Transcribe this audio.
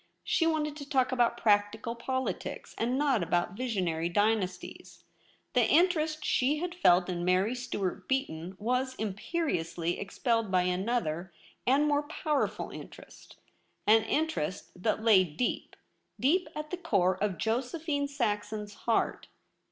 She wanted to talk about practical politics, and not about visionary dynasties. The interest she had felt in Mary Stuart Beaton was imperi ously expelled by another and more powerful IN THE LOBBY. 19 interest — an interest that lay deep, deep at the core of Josephine Saxon's heart.